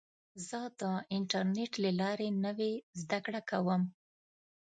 زه د انټرنیټ له لارې نوې زده کړه کوم.